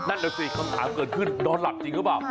นั่นน่ะสิคำถามเกิดขึ้นนอนหลับจริงหรือเปล่า